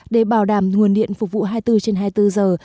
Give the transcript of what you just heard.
để bảo đảm nguồn điện phục vụ hai mươi bốn trên hai mươi bốn giờ